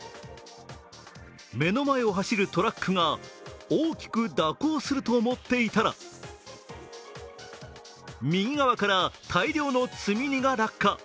目の前を走るトラックが大きく蛇行すると思っていたら右側から大量の積み荷が落下。